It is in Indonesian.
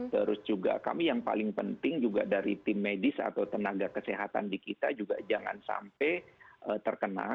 terus juga kami yang paling penting juga dari tim medis atau tenaga kesehatan di kita juga jangan sampai terkena